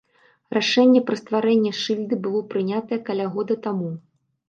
Рашэнне пра стварэнне шыльды было прынятае каля года таму.